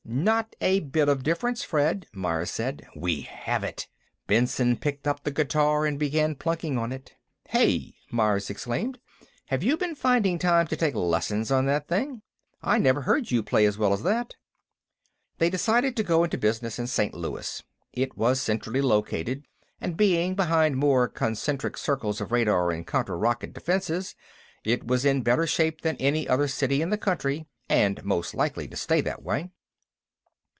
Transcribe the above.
"Not a bit of difference, Fred," Myers said. "We have it!" Benson picked up the guitar and began plunking on it. "Hey!" Myers exclaimed. "Have you been finding time to take lessons on that thing? I never heard you play as well as that!" They decided to go into business in St. Louis. It was centrally located, and, being behind more concentric circles of radar and counter rocket defenses, it was in better shape than any other city in the country and most likely to stay that way.